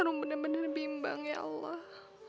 rum bener bener bimbang ya allah